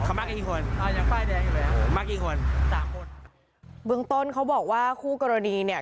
เขามากกี่คนมากกี่คนสามคนเบื้องต้นเขาบอกว่าคู่กรณีเนี้ย